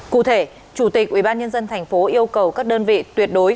cụ thể chủ tịch ubnd tp yêu cầu các đơn vị tuyệt đối